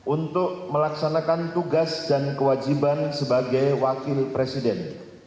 untuk melaksanakan tugas dan kewajiban sebagai wakil presiden